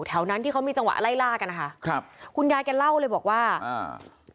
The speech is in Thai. แถวนั้นที่เขามีจังหวะไล่ล่ากันนะคะครับคุณยายแกเล่าเลยบอกว่าอ่า